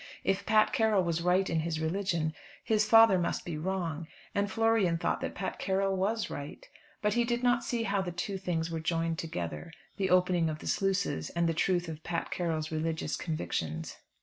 If Pat Carroll was right in his religion, his father must be wrong; and Florian thought that Pat Carroll was right. But he did not see how the two things were joined together, the opening of the sluices, and the truth of Pat Carroll's religious convictions.